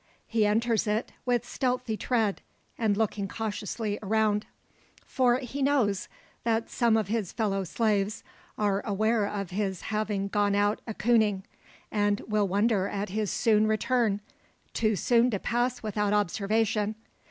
He enters it, with stealthy tread, and looking cautiously around. For he knows that some of his fellow slaves are aware of his having gone out "a cooning," and will wonder at his soon return too soon to pass without observation.